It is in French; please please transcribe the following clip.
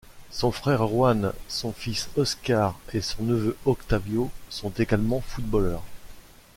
Son frère Juan, son fils Oscar et son neveu Octavio sont également footballeurs.